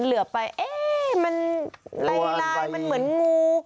เหลือไปเอ๊ะมันลายมันเหมือนงู